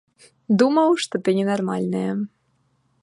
Думаў, што ты ненармальная.